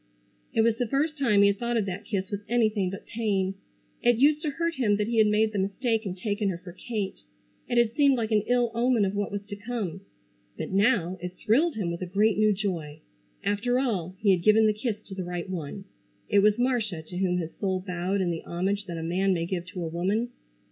It was the first time he had thought of that kiss with anything but pain. It used to hurt him that he had made the mistake and taken her for Kate. It had seemed like an ill omen of what was to come. But now, it thrilled him with a great new joy. After all he had given the kiss to the right one. It was Marcia to whom his soul bowed in the homage that a man may give to a woman.